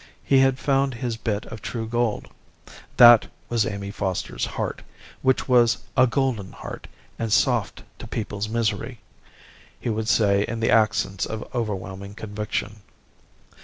He had found his bit of true gold. That was Amy Foster's heart; which was 'a golden heart, and soft to people's misery,' he would say in the accents of overwhelming conviction.